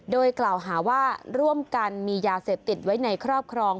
โดยกล่าวหาว่าร่วมกันมียาเสพติดไว้ในครอบครอง